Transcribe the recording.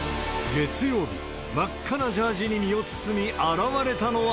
月曜日、真っ赤なジャージに身を包み現れたのは。